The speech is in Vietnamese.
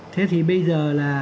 thế thì bây giờ là